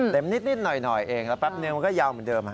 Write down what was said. นิดหน่อยเองแล้วแป๊บนึงมันก็ยาวเหมือนเดิม